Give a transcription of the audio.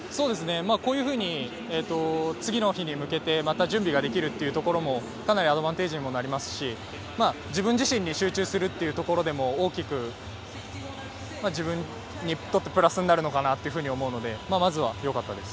こういうふうに次の日に向けて準備ができるっていうところもかなりアドバンテージもなりますし、自分自身に集中するというところでも自分にとってプラスになるのかなっていうふうに思うのでまずはよかったです。